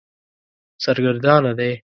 سرګردانه دی.